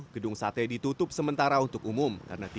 gedung sate ditutup sementara untuk umum